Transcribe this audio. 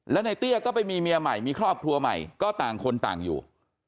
แล้วในเตี้ยก็ไปมีเมียใหม่มีครอบครัวใหม่ก็ต่างคนต่างอยู่